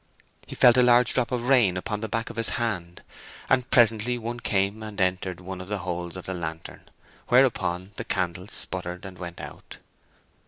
He felt a large drop of rain upon the back of his hand, and presently one came and entered one of the holes of the lantern, whereupon the candle sputtered and went out.